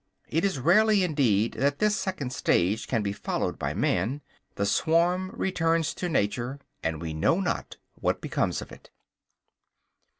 It is rarely indeed that this second stage can be followed by man. The swarm returns to nature; and we know not what becomes of it.